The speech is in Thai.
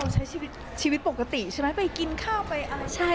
ใช้ชีวิตปกติใช่ไหมไปกินข้าวไปอะไร